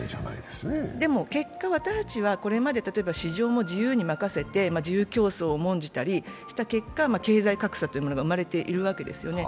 でも結果、私たちは市場も自由に任せて自由競争を重んじたり経済格差というものが生まれているわけですよね。